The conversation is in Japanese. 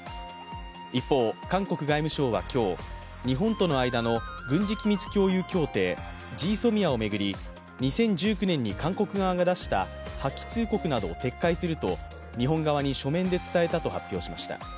一方、韓国外務省は今日日本との間の軍事機密共有協定ＧＳＯＭＩＡを巡り、２０１９年に韓国側が出した破棄通告などを撤回すると日本側に書面で伝えたと発表しました。